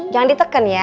jangan diteken ya